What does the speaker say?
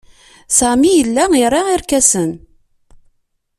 Sami yella ira irkasen.